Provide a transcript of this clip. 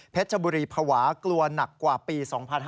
ชบุรีภาวะกลัวหนักกว่าปี๒๕๕๙